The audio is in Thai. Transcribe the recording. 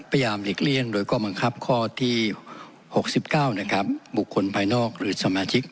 พยายามหลีกเลี่ยงโดยกรรมกรับข้อที่หกสิบเก้านะครับบุคคลภายนอกหรือสมาชิก